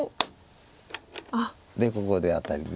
ここでアタリで。